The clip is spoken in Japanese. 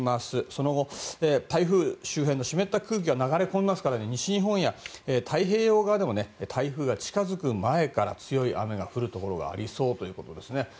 その後、台風周辺の湿った空気が流れ込みますから西日本や太平洋側でも台風が近づく前から強い雨が降るところがありそうということです。